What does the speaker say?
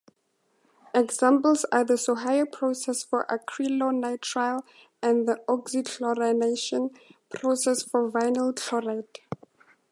Examples are the Sohio process for acrylonitrile and the oxychlorination process for vinyl chloride.